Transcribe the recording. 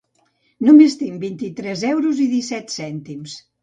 Només tinc vint-i-tres euros i disset cèntims